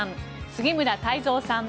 杉村太蔵さん